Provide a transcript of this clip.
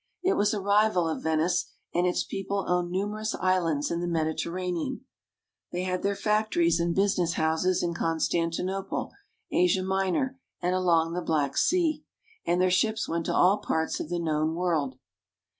It was a rival of Venice, and its people owned numerous islands in the Mediterranean. They had their factories and business houses in Constantinople, Asia Minor, and along the Black Sea, and their ships went to all parts of the known world.